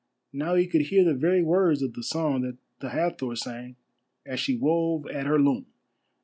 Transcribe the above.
Now he could hear the very words of the song that the Hathor sang as she wove at her loom.